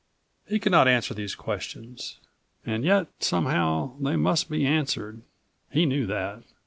He could not answer these questions. And yet somehow they must be answered. He knew that.